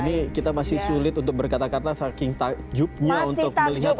ini kita masih sulit untuk berkata kata saking tajuknya untuk kita lihat ya mas ya